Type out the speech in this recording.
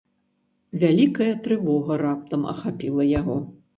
Вялікая трывога раптам ахапіла яго.